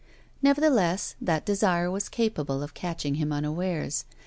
iMevertheless, that desire was capable of catching him unawares.